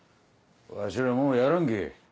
わしらもうやらんけぇ。